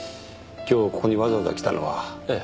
今日ここにわざわざ来たのはええ